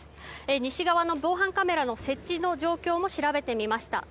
西側の防犯カメラの設置の状況も調べてみました。